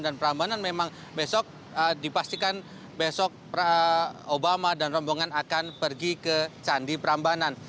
prambanan memang besok dipastikan besok obama dan rombongan akan pergi ke candi prambanan